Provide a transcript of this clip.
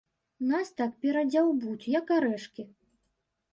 Нас так перадзяўбуць, як арэшкі.